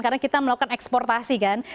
karena kita melakukan eksportasi kan